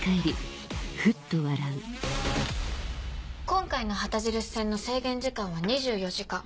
今回の旗印戦の制限時間は２４時間。